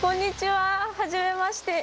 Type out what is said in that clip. はじめまして。